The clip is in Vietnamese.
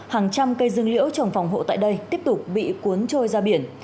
hàng trăm cây dương liễu trồng phòng hộ tại đây tiếp tục bị cuốn trôi ra biển